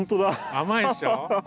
甘いでしょ？